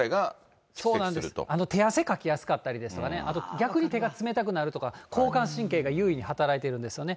手汗かきやすかったりとか、あと逆に手が冷たくなるとか、交感神経が優位に働いてるんですよね。